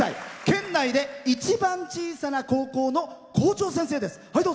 県内で一番小さな高校の校長先生です。